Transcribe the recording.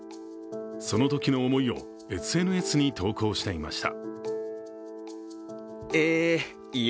そのときの思いをＳＮＳに投稿していました。